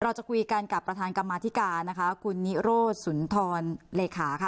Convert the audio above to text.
เราจะคุยกันกับประธานกรรมาธิการนะคะคุณนิโรธสุนทรเลขาค่ะ